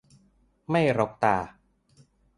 ไม่รกตา